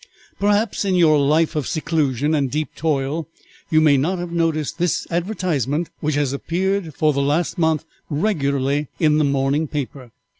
Perhaps in your life of seclusion and deep toil you may not have noticed this advertisement which has appeared for the last month regularly in the morning paper?"